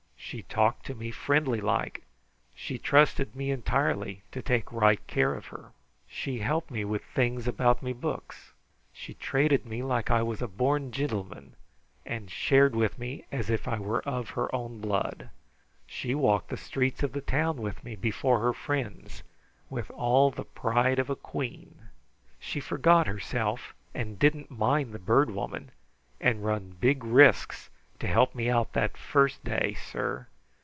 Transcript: She talked to me friendly like. She trusted me entirely to take right care of her. She helped me with things about me books. She traited me like I was born a gintleman, and shared with me as if I were of her own blood. She walked the streets of the town with me before her friends with all the pride of a queen. She forgot herself and didn't mind the Bird Woman, and run big risks to help me out that first day, sir.